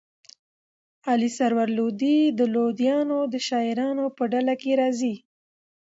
علي سرور لودي د لودیانو د شاعرانو په ډله کښي راځي.